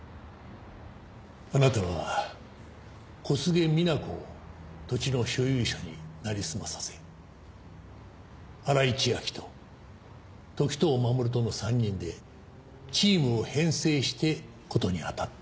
あなたは小菅みな子を土地の所有者になりすまさせ新井千晶と時任守との３人でチームを編成して事に当たった。